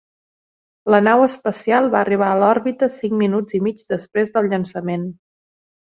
La nau espacial va arribar a l'òrbita cinc minuts i mig després del llançament.